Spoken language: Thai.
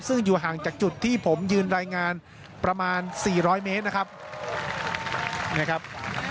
ซึ่งอยู่ห่างจากจุดที่ผมยืนรายงานประมาณ๔๐๐เมตรนะครับนะครับ